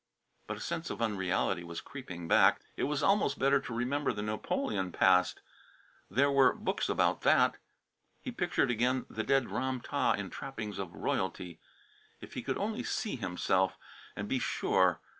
But a sense of unreality was creeping back. It was almost better to remember the Napoleon past. There were books about that. He pictured again the dead Ram tah in trappings of royalty. If he could only see himself, and be sure.